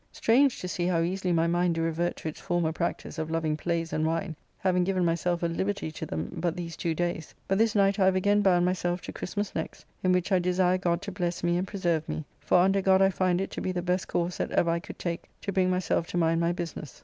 Strange to see how easily my mind do revert to its former practice of loving plays and wine, having given myself a liberty to them but these two days; but this night I have again bound myself to Christmas next, in which I desire God to bless me and preserve me, for under God I find it to be the best course that ever I could take to bring myself to mind my business.